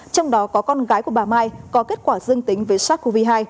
trong đó có con gái của bà mai có kết quả dương tính với sars cov hai